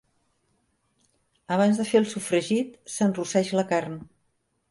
Abans de fer el sofregit, s'enrosseix la carn.